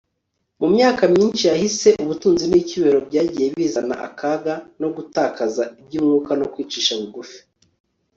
mu myaka myinshi yahise, ubutunzi n'icyubahiro byagiye bizana akaga ko gutakaza iby'umwuka no kwicisha bugufi